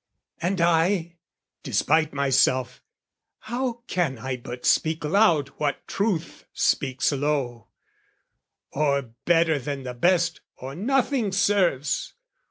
And I, despite myself, How can I but speak loud what truth speaks low, "Or better than the best, or nothing serves!